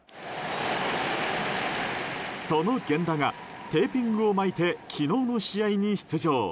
その源田がテーピングを巻いて昨日の試合に出場。